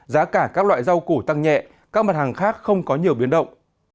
giá cả các loại rau củ tăng nhẹ các mặt hàng khác không có nhiều biến động